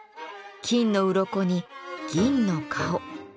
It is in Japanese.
金のうろこに銀の顔。